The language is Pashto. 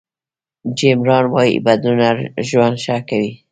جیم ران وایي بدلون ژوند ښه کوي.